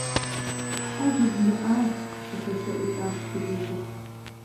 – Тхьэ, жызмыӀа! – къыхэщэӀукӀащ фызыжьыр.